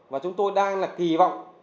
và chúng tôi đang kỳ vọng